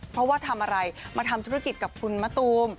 เพราะว่าทำอะไรมาทำธุรกิจกับคุณมะตูม